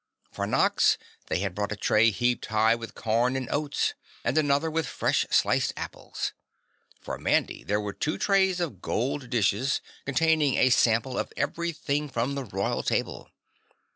For Nox they had brought a tray heaped high with corn and oats and another with fresh sliced apples. For Mandy there were two trays of gold dishes containing a sample of everything from the royal table.